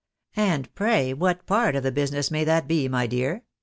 " And pray what part of the business may that be, my dear?